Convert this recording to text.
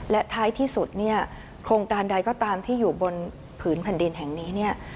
และท้ายที่สุดโครงการใดก็ตามที่อยู่บนผืนผ่านดินแห่งนี้